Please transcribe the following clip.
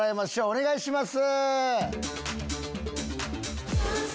お願いします！